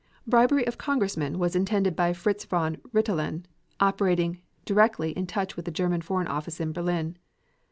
Bribery of Congressmen was intended by Franz von Rintelen, operating directly in touch with the German Foreign Office in Berlin.